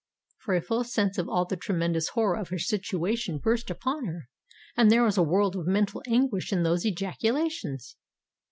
For a full sense of all the tremendous horror of her situation burst upon her; and there was a world of mental anguish in those ejaculations.